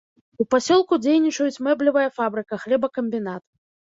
У пасёлку дзейнічаюць мэблевая фабрыка, хлебакамбінат.